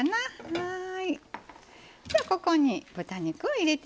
はい。